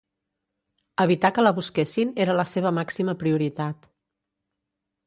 Evitar que la busquessin era ser la seva màxima prioritat.